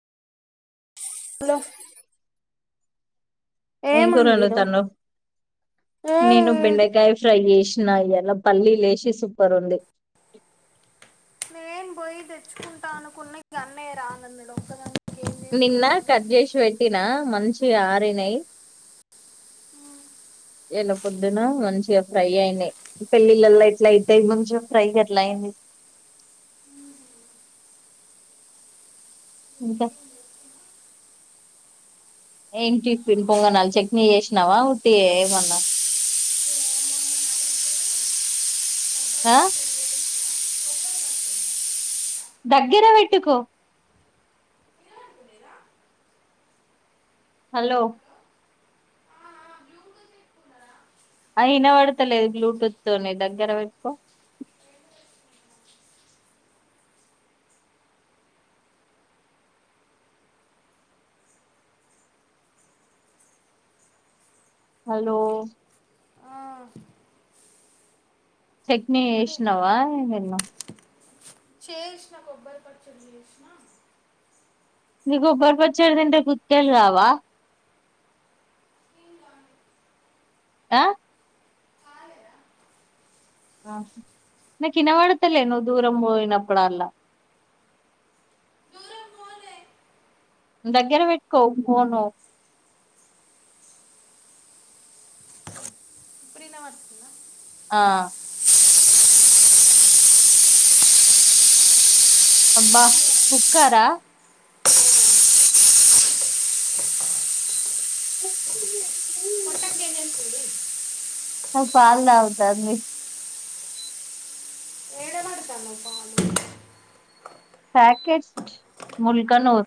hello ఏం కూర వండుతాన్నావు నేను బెండకాయ ఫ్రై చేసి తిన్నా ఇయాల పల్లీలు ఏసి సూపర్ ఉంది నేను పోయి తెచ్చుకుంటా అనుకున్న గన్నయ్య రాను అన్నాడు ఒకదాన్ని నిన్న కట్ చేసి పెట్టినా మంచిగా ఆరినై ఉ ఇయాల పొద్దున మంచిగా ఫ్రై అయినాయి పెళ్ళిళ్ళల ఎట్ల అయితాయి మంచిగా ఫ్రై గట్లా అయింది ఇంకా ఏం టిఫిన్ పొంగనాలు చట్నీ చేసినావా ఉట్టియే ఏమన్నా ఆ దగ్గర వెట్టుకో హలో ఆ వినవడతలేదు బ్లూటూత్ తోని దగ్గర పెట్టుకో హలో ఆ చట్ని వేసినావా ఏమేన్నా చేసిన కొబ్బరి పచ్చడి చేసిన నీకు కొబ్బరి పచ్చడి తింటే గుతికలు రావా ఆ నాకు నాకు వినవడుతలే నువ్వు దూరం పోయినపుడు అల్లా దగ్గర పెట్టుకో ఫోను ఇప్పుడు వినవాడుతుందా ఆ అబ్బా కుక్కారా ఓ పొట్టక్క ఏం చేస్తుంది తడుతాందా పాలు ప్యాకేజ్ ముల్క నూర్